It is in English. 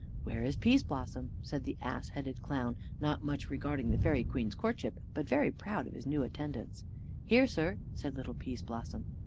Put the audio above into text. "Where is Pease blossom?" said the ass headed clown, not much regarding the fairy queen's courtship, but very proud of his new attendants. "Here, sir," said little Pease blossom.